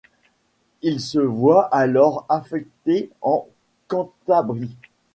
Il se voit alors affecté en Cantabrie.